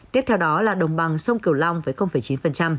tiếp theo đó là đồng bằng sông kiều long với chín